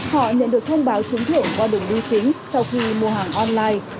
họ nhận được thông báo trúng thưởng qua đường biêu chính sau khi mua hàng online